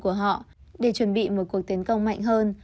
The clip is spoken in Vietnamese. nga sẽ rút lực lượng của họ để chuẩn bị một cuộc tiến công mạnh hơn